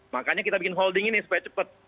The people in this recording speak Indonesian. makanya kita bikin holding ini supaya cepat